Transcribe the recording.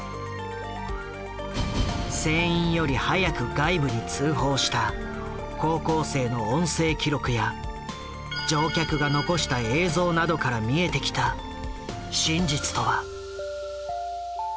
船員より早く外部に通報した高校生の音声記録や乗客が残した映像などから見えてきた真実とは？